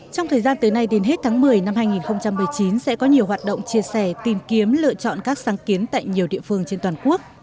trong thời gian tới nay đến hết tháng một mươi năm hai nghìn một mươi chín sẽ có nhiều hoạt động chia sẻ tìm kiếm lựa chọn các sáng kiến tại nhiều địa phương trên toàn quốc